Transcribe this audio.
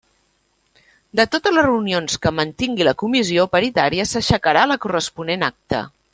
De totes les reunions que mantingui la Comissió paritària, s'aixecarà la corresponent acta.